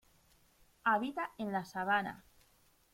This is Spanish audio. Habita en la sabana.